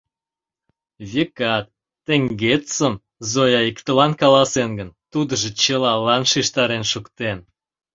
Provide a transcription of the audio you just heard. Векат, теҥгечсым Зоя иктылан каласен гын, тудыжо чылалан шижтарен шуктен.